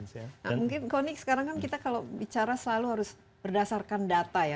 nah mungkin koni sekarang kan kita kalau bicara selalu harus berdasarkan data ya